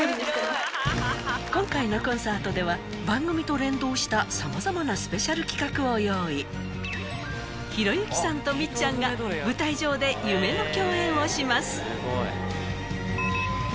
今回のコンサートでは番組と連動したさまざまなスペシャル企画を用意弘之さんとみっちゃんが舞台上で夢の共演をします